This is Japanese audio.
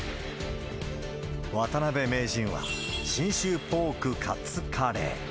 渡辺名人は、信州ポーク勝カレー。